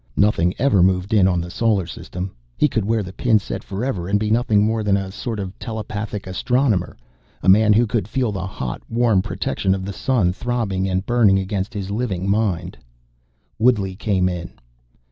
Nothing ever moved in on the Solar System. He could wear the pin set forever and be nothing more than a sort of telepathic astronomer, a man who could feel the hot, warm protection of the Sun throbbing and burning against his living mind. Woodley came in.